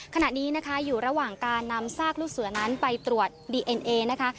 ขณะนี้นะคะอยู่ระหว่างการนำซากลูกเสือนั้นไปตรวจดีเอ็นเอนะคะ